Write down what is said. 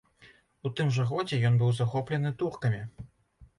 У тым жа годзе ён быў захоплены туркамі.